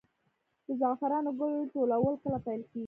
د زعفرانو ګل ټولول کله پیل کیږي؟